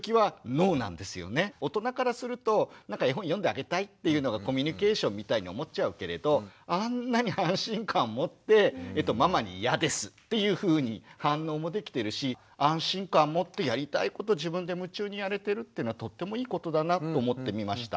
大人からすると絵本読んであげたいっていうのがコミュニケーションみたいに思っちゃうけれどあんなに安心感もってママに「いやです」っていうふうに反応もできてるし安心感もってやりたいこと自分で夢中にやれてるっていうのはとってもいいことだなと思って見ました。